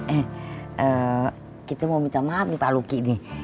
eh kita mau minta maaf nih pak luki deh